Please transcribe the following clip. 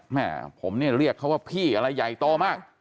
แม่ผมเนี่ยเรียกเขาว่าพี่อะไรใหญ่โตมาก